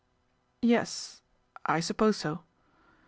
'Yes; I suppose so.